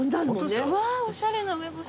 うわーおしゃれな梅干し。